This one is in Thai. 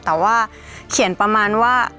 แต่ว่าเขียนประมาณว่า